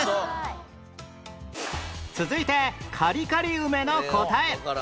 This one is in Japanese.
続いてカリカリ梅の答え